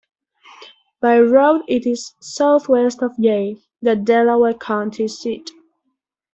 By road it is southwest of Jay, the Delaware County seat.